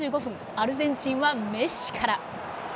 アルゼンチンはメッシから。